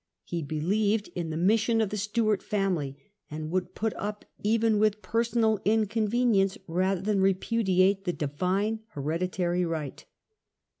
He believed in the mission of the Stewart family, and would put up even with personal inconvenience rather than repudiate the Divine hereditary right.